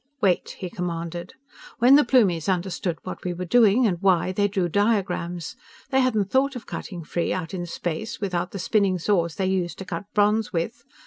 "Wait," he commanded. "When the Plumies understood what we were doing, and why, they drew diagrams. They hadn't thought of cutting free, out in space, without the spinning saws they use to cut bronze with.